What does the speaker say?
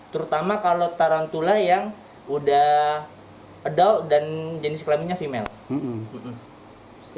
terutama kalau tarantula yang udah adol dan jenis kelaminnya female